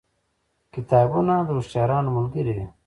کتابونه د هوښیارانو ملګري دي.